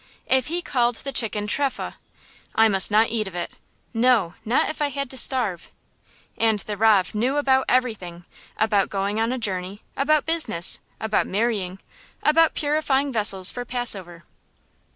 If he called the chicken "trefah" I must not eat of it; no, not if I had to starve. And the rav knew about everything: about going on a journey, about business, about marrying, about purifying vessels for Passover.